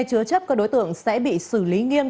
chấp các đối tượng sẽ bị xử lý nghiêm